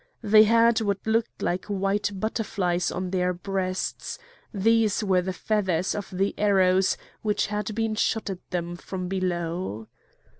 They had what looked like white butterflies on their breasts; these were the feathers of the arrows which had been shot at them from below.